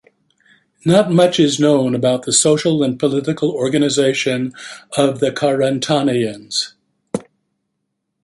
Not much is known about the social and political organization of the Carantanians.